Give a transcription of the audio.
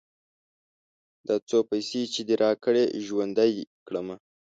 دا څو پيسې چې دې راکړې؛ ژوندی يې کړم.